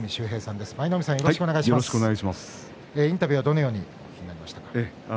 インタビューは、どのようにお聞きになりましたか？